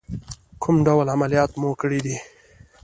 کوم ډول عملیات مو کړی دی؟